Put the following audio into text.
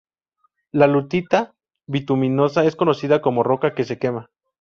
La lutita bituminosa es conocida como 'roca que se quema'.